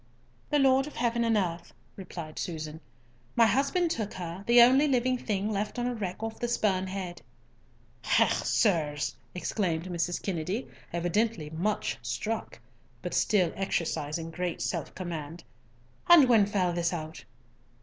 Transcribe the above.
"The Lord of heaven and earth," replied Susan. "My husband took her, the only living thing left on a wreck off the Spurn Head." "Hech, sirs!" exclaimed Mrs. Kennedy, evidently much struck, but still exercising great self command. "And when fell this out?"